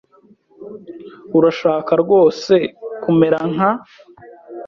Urashaka rwose kumera nka ?